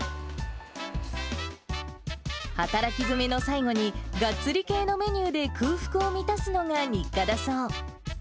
働き詰めの最後に、がっつり系のメニューで空腹を満たすのが日課だそう。